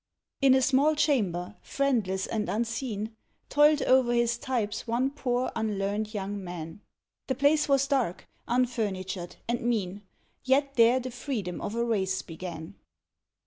_ In a small chamber, friendless and unseen, Toiled o'er his types one poor, unlearned young man; The place was dark, unfurnitured, and mean; Yet there the freedom of a race began.